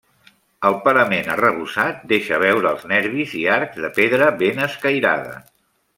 El parament arrebossat deixa veure els nervis i arcs de pedra ben escairada.